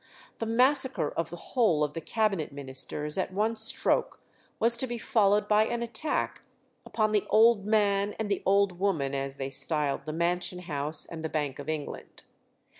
The massacre of the whole of the Cabinet Ministers at one stroke was to be followed by an attack upon "the old man and the old woman," as they styled the Mansion House and the Bank of England.